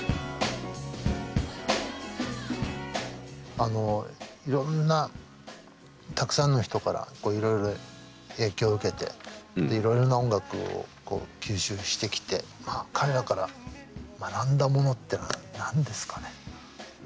あのいろんなたくさんの人からいろいろ影響を受けてでいろいろな音楽を吸収してきて彼らから学んだものっていうのは何ですかね？